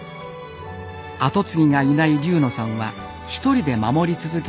後継ぎがいない龍野さんはひとりで守り続けています。